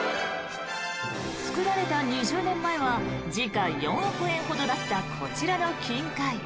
作られた２０年前は時価４億円ほどだったこちらの金塊。